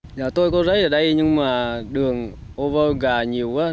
nếu mình thử đi đi đi thì mình thấy ở đây nhưng mà đường ổ voi ổ gà nhiều quá